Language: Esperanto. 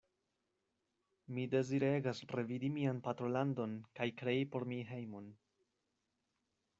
Mi deziregas revidi mian patrolandon kaj krei por mi hejmon.